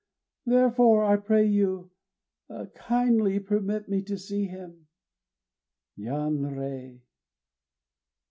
Therefore, I pray you, kindly permit me to see him." _Yanrei!